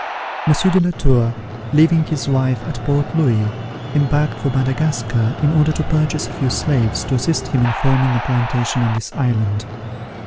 Monsieur de la Tour, leaving his wife at Port Louis, embarked for Madagascar, in order to purchase a few slaves, to assist him in forming a plantation on this island.